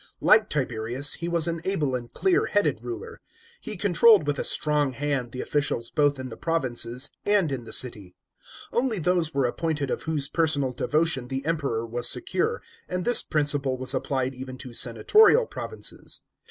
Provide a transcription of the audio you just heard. Like Tiberius, he was an able and clear headed ruler. He controlled with a strong hand the officials both in the provinces and in the city. Only those were appointed of whose personal devotion the Emperor was secure, and this principle was appli d even to senatotial provinces.